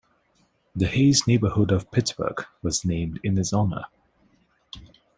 The Hays neighborhood of Pittsburgh was named in his honor.